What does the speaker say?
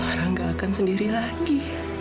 yang gak akan sendiri lagi